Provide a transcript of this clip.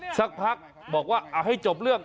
สักพักบอกว่าเอาให้จบเรื่อง